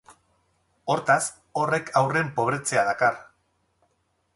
Hortaz, horrek haurren pobretzea dakar.